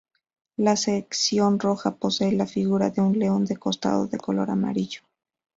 La sección roja posee la figura de un león de costado, de color amarillo.